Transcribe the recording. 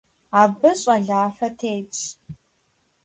Abı ş'alafe têtş.